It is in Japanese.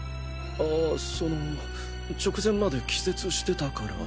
あぁその直前まで気絶してたから。